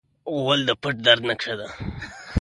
غول د پټ درد نقشه ده.